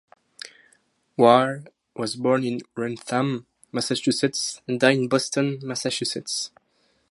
Ware was born in Wrentham, Massachusetts, and died in Boston, Massachusetts.